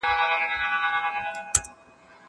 زه سينه سپين نه کوم!؟